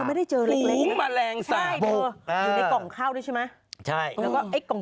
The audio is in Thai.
มีกล่องข้าวด้วยใช่ไหม